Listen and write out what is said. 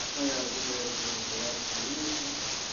ایا زه باید په هرات کې اوسم؟